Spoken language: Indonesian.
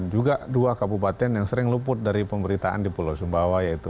juga dua kabupaten yang sering luput dari pemberitaan di pulau sumbawa yaitu